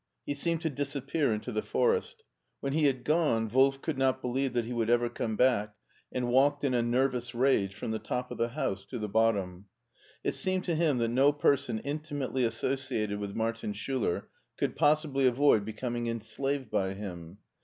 He seemed to disappear into the forest When he had gone Wolf could not believe that he would ever come back, and walked in a nervous rage from the top of the house to the bottom. It seemed to him that no person intimately associated with Martin Schiller could possibly avoid becoming enslaved by him.